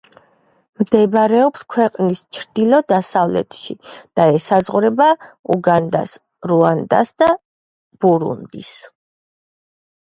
მდებარეობს ქვეყნის ჩრდილო-დასავლეთში და ესაზღვრება უგანდას, რუანდას და ბურუნდის.